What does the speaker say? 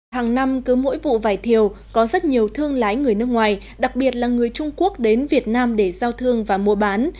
hàng năm cứ mỗi vụ vải thiều có rất nhiều thương lái người nước ngoài đặc biệt là người trung quốc đến việt nam để giao thương và mua bán